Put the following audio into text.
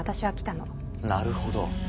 なるほど。